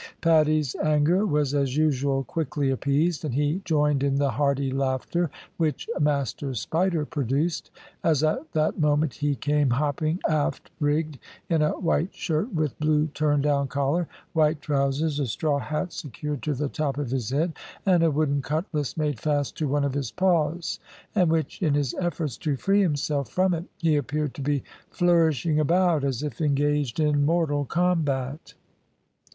Paddy's anger was as usual quickly appeased, and he joined in the hearty laughter which "Master Spider" produced, as at that moment he came hopping aft rigged in a white shirt with blue turn down collar, white trousers, a straw hat secured to the top of his head, and a wooden cutlass made fast to one of his paws, and which, in his efforts to free himself from it, he appeared to be flourishing about as if engaged in mortal combat.